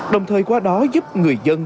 đồng thời qua đó giúp người dân